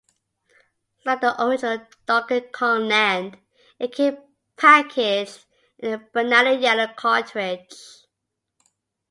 Like the original "Donkey Kong Land", it came packaged in a banana-yellow cartridge.